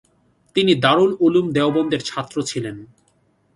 তিনি দারুল উলুম দেওবন্দের ছাত্র ছিলেন।